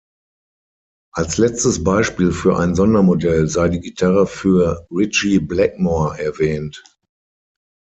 Als letztes Beispiel für ein Sondermodell sei die Gitarre für Ritchie Blackmore erwähnt.